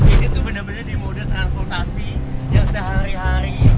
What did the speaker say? ini tuh benar benar di mode transportasi yang sehari hari